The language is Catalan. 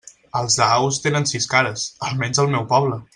Els daus tenen sis cares, almenys al meu poble.